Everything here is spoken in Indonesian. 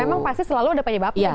memang pasti selalu ada penyebabnya